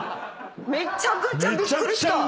めちゃくちゃびっくりした。